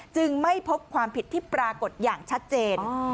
ไม่พบความผิดที่ปรากฏอย่างชัดเจน